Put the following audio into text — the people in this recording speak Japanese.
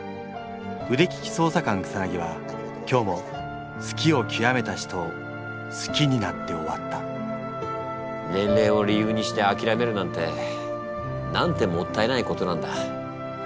腕利き捜査官草は今日も好きをきわめた人を好きになって終わった年齢を理由にして諦めるなんてなんてもったいないことなんだ。